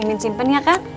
ingin simpen ya kak